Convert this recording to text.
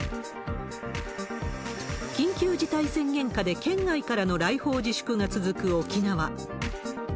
緊急事態宣言下で県外からの来訪自粛が続く沖縄。